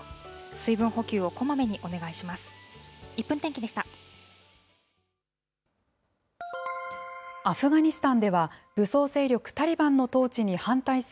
水分補給をこまめにお願いします。